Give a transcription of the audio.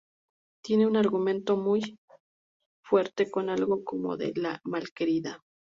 Tiene un argumento muy fuerte, con algo como de "La malquerida".